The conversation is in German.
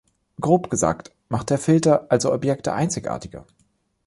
Grob gesagt macht der Filter also Objekte einzigartiger.